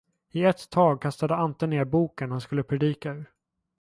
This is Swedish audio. I ett tag kastade Ante ner boken han skulle predika ur.